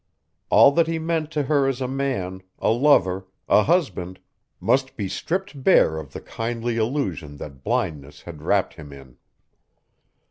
All that he meant to her as a man, a lover, a husband, must be stripped bare of the kindly illusion that blindness had wrapped him in.